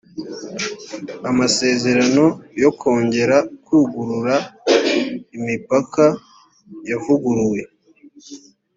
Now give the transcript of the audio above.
amasezerano yo kongera kugurura imipaka yavuguruwe.